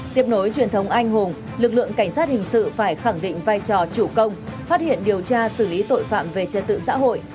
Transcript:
tiếp nối truyền thống anh hùng lực lượng cảnh sát hình sự phải khẳng định vai trò chủ công phát hiện điều tra xử lý tội phạm về trật tự xã hội